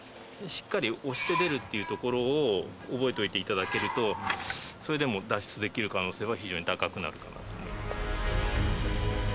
しっかり押して出るっていうところを覚えておいていただけると、それでもう、脱出できる可能性は非常に高くなるかなと思います。